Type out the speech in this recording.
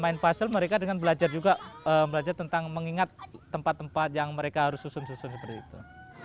main puzzle mereka dengan belajar juga belajar tentang mengingat tempat tempat yang mereka harus susun susun seperti itu